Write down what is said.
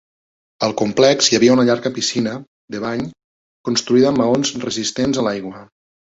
Al complex hi havia una llarga piscina de bany construïda amb maons resistents a l'aigua.